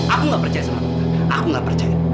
aku gak percaya sama tante aku gak percaya